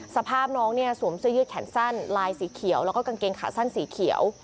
สภาพน้องเนี่ยสวมเสื้อยืดแขนสั้นลายสีเขียวแล้วก็กางเกงขาสั้นสีเขียว